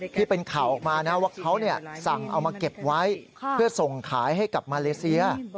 ที่เป็นข่าวออกมานะว่าเขาสั่งเอามาเก็บไว้เพื่อส่งขายให้กับมาเลเซีย